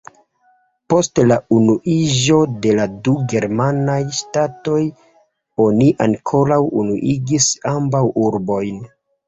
Post la unuiĝo de la du germanaj ŝtatoj oni ankaŭ unuigis ambaŭ urbojn.